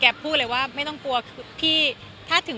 แม่คุยทุกอย่างแปปนึง